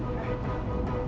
tuhan aku ingin menang